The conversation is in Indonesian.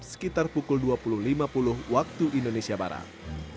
sekitar pukul dua puluh lima puluh waktu indonesia barat